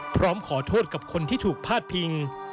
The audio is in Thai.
พร้อมขอโทษกับคนที่ถูกพาดพิง